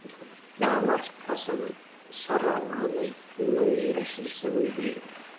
د احمد فصل سر را وهلی، نوی را شین شوی دی.